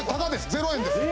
０円です。